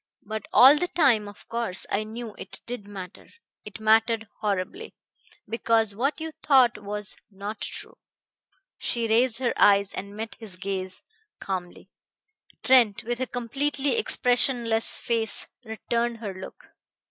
But all the time, of course, I knew it did matter. It mattered horribly. Because what you thought was not true." She raised her eyes and met his gaze calmly. Trent, with a completely expressionless face, returned her look.